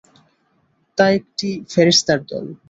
তা একটি ফেরেস্তার দল।